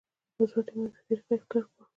مثبته یا منفي طریقه اختیار کوو.